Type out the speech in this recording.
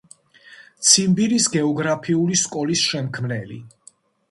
ციმბირის გეოგრაფიული სკოლის შემქმნელი.